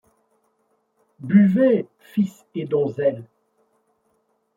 Buvez, fils et donzelles.